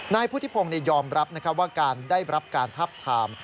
นายพุทธิพงศ์ยอมรับว่าการได้รับการทับทาม